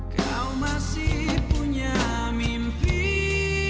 kau masih punya menit